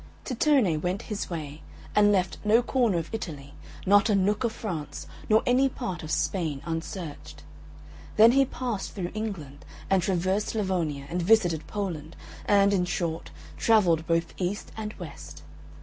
Tittone went his way, and left no corner of Italy, not a nook of France, nor any part of Spain unsearched. Then he passed through England, and traversed Slavonia, and visited Poland, and, in short, travelled both east and west.